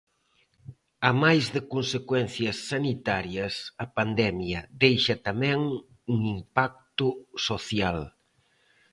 Amais de consecuencias sanitarias, a pandemia deixa tamén un impacto social.